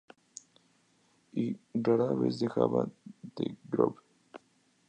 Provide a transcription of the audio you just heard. Y, rara vez dejaba The Grove.